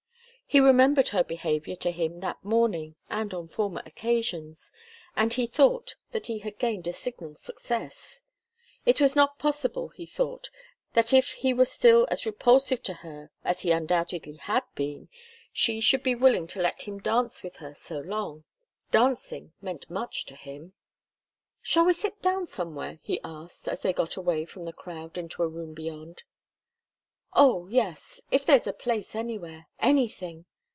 He remembered her behaviour to him that morning and on former occasions, and he thought that he had gained a signal success. It was not possible, he thought, that if he were still as repulsive to her as he undoubtedly had been, she should be willing to let him dance with her so long. Dancing meant much to him. "Shall we sit down somewhere?" he asked, as they got away from the crowd into a room beyond. "Oh, yes if there's a place anywhere. Anything!"